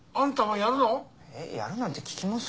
やるなんて聞きます？